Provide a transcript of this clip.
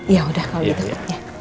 yaudah kalo gitu